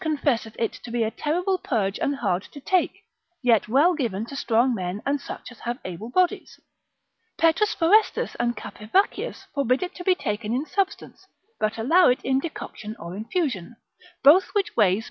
cap. 16. confesseth it to be a terrible purge and hard to take, yet well given to strong men, and such as have able bodies. P. Forestus and Capivaccius forbid it to be taken in substance, but allow it in decoction or infusion, both which ways P.